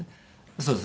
そうです。